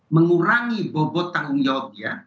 mengurangi bobot tanggung jawab ya